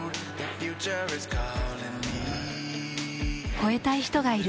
超えたい人がいる。